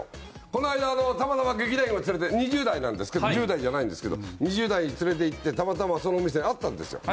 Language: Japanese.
この間たまたま劇団員を連れて２０代なんですけど１０代じゃないんですけど２０代連れて行ってたまたまそのお店にあったんですよ。